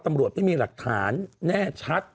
ตำรวจไม่มีหลักฐานแน่ชัด